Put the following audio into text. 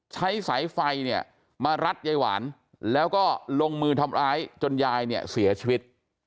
ใช้สายไฟเนี่ยมารัดยายหวานแล้วก็ลงมือทำร้ายจนยายเนี่ยเสียชีวิต